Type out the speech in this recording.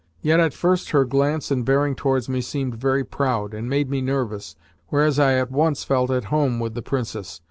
Yet at first her glance and bearing towards me seemed very proud, and made me nervous, whereas I at once felt at home with the Princess.